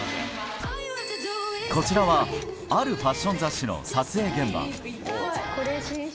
こちらはあるファッション雑誌の撮影現場。